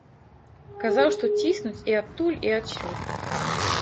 Казаў, што ціснуць і адтуль, і адсюль.